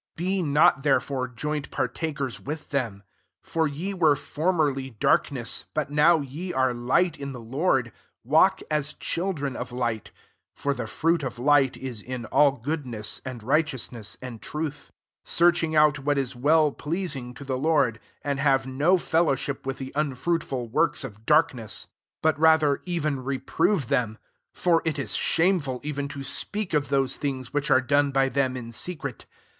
7 Be not therefore joint partakers with them. 8 For ye were formerly darkness, but now ye are Kght in the Lord : walk as children of light: 9 (for the fruit of light m in aH goodness, and righteousness, and truth;) 10 searching out what is well pleasing to the Lord: 11 and have no fellow ship with the unfraitful works of darkness; but rather even 318 EPHESIANS VI. reprove thetn. 12 For it is shameful even to speak of those things which are done by them in secret.